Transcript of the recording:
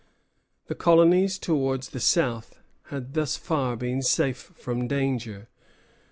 The colonies towards the south had thus far been safe from danger.